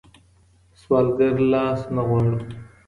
سوالګر لاس نه غواړو.